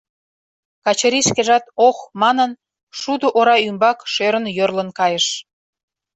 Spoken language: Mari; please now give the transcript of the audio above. Качырий шкежат, «Ох!» манын, шудо ора ӱмбак шӧрын йӧрлын кайыш.